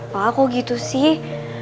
pak kok gitu sih